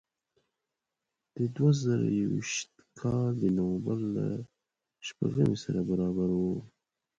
د دوه زره یو ویشت کال د نوامبر له شپږمې سره برابر و.